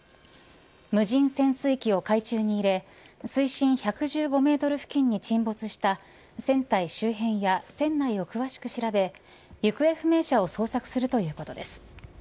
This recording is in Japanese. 無人潜水機を海中に入れ水深１１５メートル付近に沈没した船体周辺や船内を詳しく調べ行方不明者を捜索するということです。